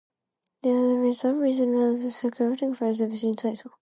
In his debut season with Vorkuta he assisted in securing the First Division title.